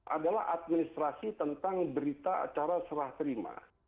adalah administrasi tentang berita acara serah terima